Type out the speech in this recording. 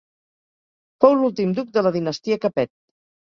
Fou l'últim duc de la Dinastia Capet.